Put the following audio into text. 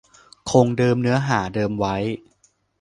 คงเดิมเนื้อหาเดิมไว้